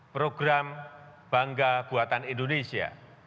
program bangga buatan indonesia